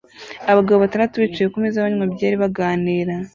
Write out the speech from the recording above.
Abagabo batandatu bicaye kumeza banywa byeri baganira